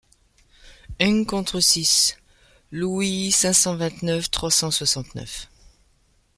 Ung contre six Louis cinq cent vingt-neuf trois cent soixante-neuf.